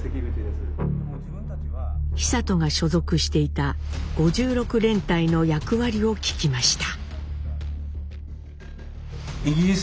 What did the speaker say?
久渡が所属していた５６連隊の役割を聞きました。